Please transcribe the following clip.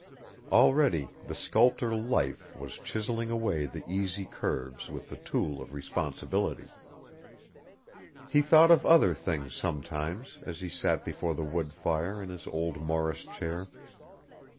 Already the sculptor Life was chiselling away the easy curves with the tool of responsibility. He thought of other things sometimes as he sat before the wood fire in his old Morris chair.